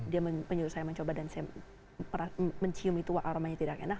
dia menyuruh saya mencoba dan saya mencium itu aromanya tidak enak